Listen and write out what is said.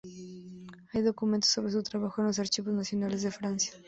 Hay documentos sobre su trabajo en los Archivos nacionales de Francia.